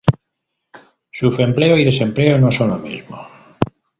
Subempleo y desempleo no son lo mismo.